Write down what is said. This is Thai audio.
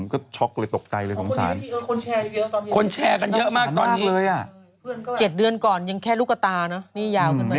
มีอยากเกาะเจ็ดเดือนก่อนยังแค่ลูกกระตานั้นนี่ยาวเพียงติด